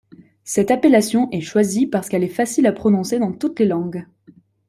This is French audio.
Cette appellation est choisie parce qu'elle est facile à prononcer dans toutes les langues.